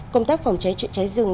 công tác phòng cháy trị cháy rừng